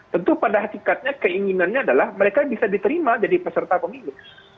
tentu pada hakikatnya keinginannya adalah mereka bisa diterima jadi peserta pemilu